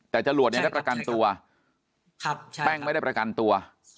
แต่จรวดเนี่ยได้ประกันตัวแป้งไม่ได้ประกันตัว